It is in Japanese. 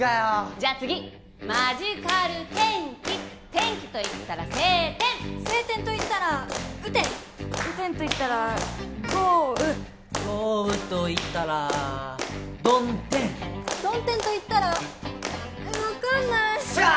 じゃあ次マジカル天気天気といったら晴天晴天といったら雨天雨天といったら豪雨豪雨といったら曇天曇天といったら分かんないしゃーっ！